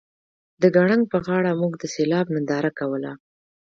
د ګړنګ په غاړه موږ د سیلاب ننداره کوله